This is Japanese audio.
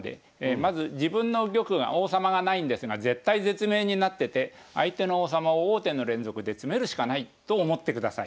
まず自分の玉が王様がないんですが絶体絶命になってて相手の王様を王手の連続で詰めるしかないと思ってください。